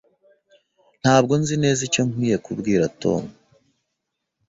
Ntabwo nzi neza icyo nkwiye kubwira Tom.